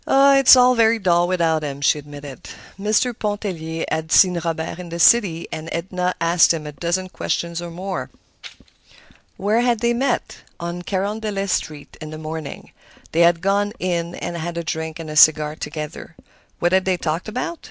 "It's very dull without him," she admitted. Mr. Pontellier had seen Robert in the city, and Edna asked him a dozen questions or more. Where had they met? On Carondelet Street, in the morning. They had gone "in" and had a drink and a cigar together. What had they talked about?